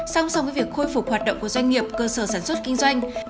song song với việc khôi phục hoạt động của doanh nghiệp cơ sở sản xuất kinh doanh